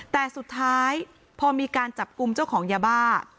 แต่สุดท้ายพอมีการจับกลุ่มเจ้าของยาบ้า